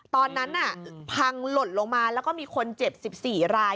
ตอนนั้นพังหล่นลงมาแล้วก็มีคนเจ็บ๑๔ราย